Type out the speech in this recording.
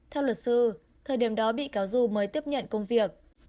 theo luật sư thời điểm đó bị cáo du mới tiếp nhận công việc